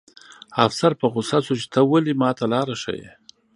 افسر په غوسه شو چې ته ولې ماته لاره ښیې